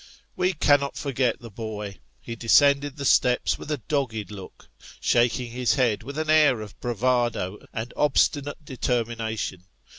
Wo cannot forget the boy ; he descended the steps with a dogged look, shaking his head with an air of bravado and obstinate determina tion.